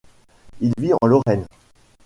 Il vit en Lorraine.